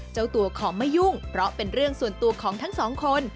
เจ้าตัวขอไม่ยุ่งเพราะเป็นเรื่องส่วนตัวของทั้งสองคน